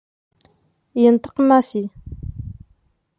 Yenṭeq Massi.